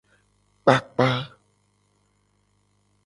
Kpakpa.